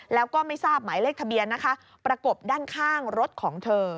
แล้วก็ไม่ทราบหมายเลขทะเบียนนะคะประกบด้านข้างรถของเธอ